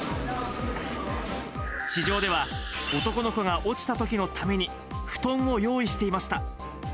地上では、男の子が落ちたときのために、布団を用意していました。